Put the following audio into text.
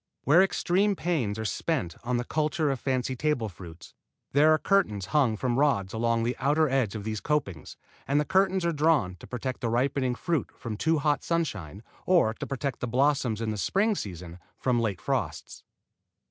Where extreme pains are spent on the culture of fancy table fruits there are curtains hung from rods along the outer edge of these copings, and the curtains are drawn to protect ripening fruit from too hot sunshine, or to protect the blossoms in the spring season from late frosts.